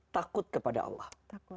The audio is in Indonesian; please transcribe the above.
takut kepada allah